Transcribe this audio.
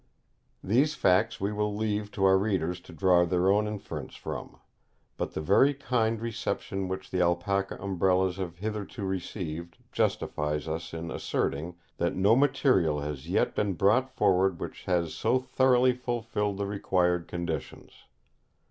These facts we will leave to our readers to draw their own inference from; but the very kind reception which the Alpaca Umbrellas have hitherto received, justifies us in asserting, that no material has yet been brought forward which has so thoroughly fulfilled the required conditions.